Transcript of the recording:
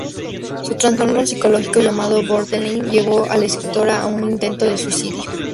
Su trastorno psicológico, llamado borderline, llevó a la escritora a un intento de suicidio.